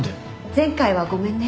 前回はごめんね。